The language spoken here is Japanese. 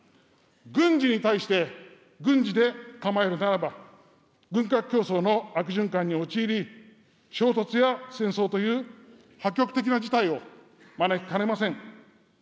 軍事に対して軍事で構えるならば、軍拡競争の悪循環に陥り、衝突や戦争という破局的な事態を招きかねません。